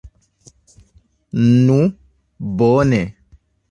Nu, bone!